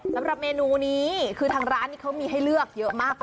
สำหรับเมนูนี้คือทางร้านนี้เขามีให้เลือกเยอะมาก